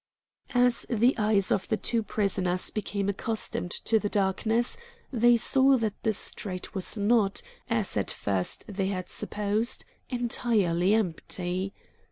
As the eyes of the two prisoners became accustomed to the darkness, they saw that the street was not, as at first they had supposed, entirely empty.